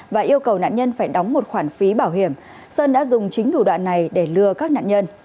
và yêu cầu nạn nhân phải đóng một khoản phí bảo hiểm sơn đã dùng chính thủ đoạn này để lừa các nạn nhân